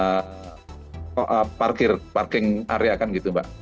karena kalau ada peningkatan lebih anggutan lebih bagus kan tidak harus juga menggunakan parking area